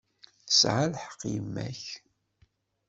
Tesɛa lḥeqq yemma-k.